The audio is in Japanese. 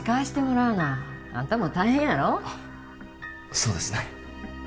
そうですね。